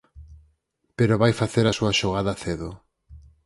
Pero vai facer a súa xogada cedo.